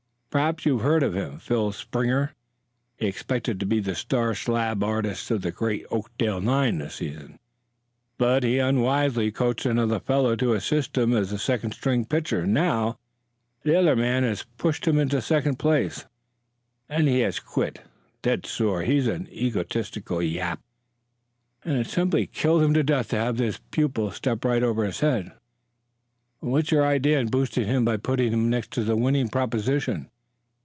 Perhaps you've heard of him Phil Springer. He expected to be the star slab artist on the great Oakdale nine this season, but he unwisely coached another fellow to assist him as second string pitcher, and now the other man has pushed him into second place and he has quit, dead sore. He's an egotistical yap, and it simply killed him to death to have his pupil step right over his head." "What's your idea in boosting him by putting him next to a winning proposition?"